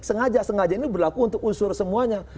sengaja sengaja ini berlaku untuk unsur semuanya